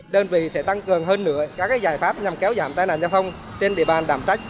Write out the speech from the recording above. đơn vị sẽ tăng cường hơn nữa các giải pháp nhằm kéo giảm tai nạn giao thông trên địa bàn đảm trách